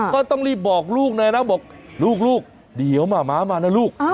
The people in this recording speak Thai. ก็ต้องรีบบอกลูกเลยนะบอกลูกเดี๋ยวหมาม้ามานะลูก